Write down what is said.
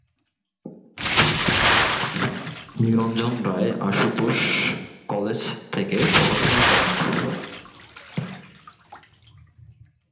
নিরঞ্জন Roy Ashutosh college থেকে পড়াশোনা করেন।